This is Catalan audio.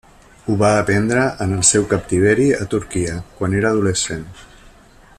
Ho va aprendre en el seu captiveri a Turquia quan era adolescent.